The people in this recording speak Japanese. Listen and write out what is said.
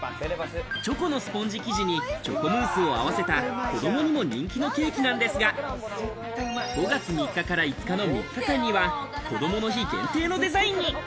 チョコのスポンジ生地にチョコムースを合わせた子どもにも人気のケーキなんですが、５月３日から５日の６日間にはこどもの日限定のデザインに。